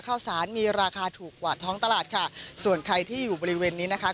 ข้าวสารมีราคาถูกกว่าท้องตลาดค่ะส่วนใครที่อยู่บริเวณนี้นะคะ